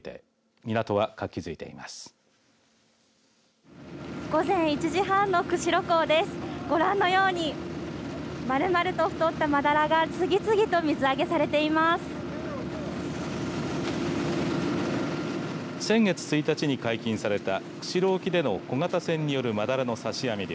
先月１日に解禁された釧路沖での小型船によるマダラの刺し網漁。